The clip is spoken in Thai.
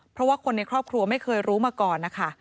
เพราะคนในครอบครัวไม่เคยรู้มะก่อน